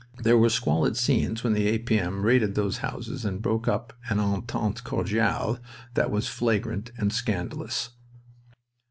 There were squalid scenes when the A.P.M. raided these houses and broke up an entente cordiale that was flagrant and scandalous.